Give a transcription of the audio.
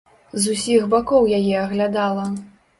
З усіх бакоў яе аглядала.